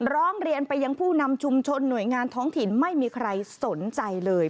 ร้องเรียนไปยังผู้นำชุมชนหน่วยงานท้องถิ่นไม่มีใครสนใจเลย